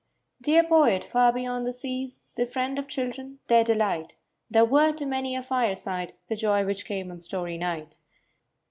D ear poet far beyond the seas, The friend of children— their delight; Thou wert to many a fireside The joy which came on story night.